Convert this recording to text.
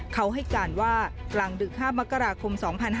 เขาให้การว่ากลางดึก๕มกราคม๒๕๕๙